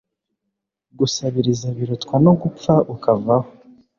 gusabiriza birutwa no gupfa ukavaho